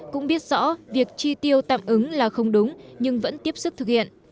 cũng biết rõ việc chi tiêu tạm ứng là không đúng nhưng vẫn tiếp sức thực hiện